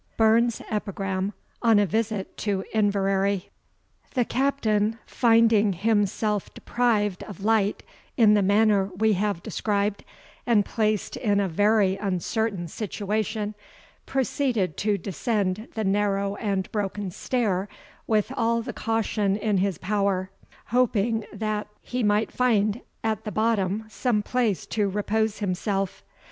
BURNS'S EPIGRAM ON A VISIT TO INVERARY. The Captain, finding himself deprived of light in the manner we have described, and placed in a very uncertain situation, proceeded to descend the narrow and broken stair with all the caution in his power, hoping that he might find at the bottom some place to repose himself.